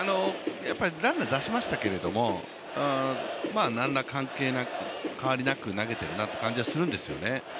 ランナー出しましたけれどもなんら変わりなく投げているなっていう感じはするんですね。